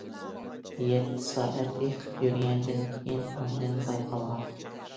يەتتە سائەت ئېقىپ يۈرگەندىن كېيىن ئاندىن بايقالغان.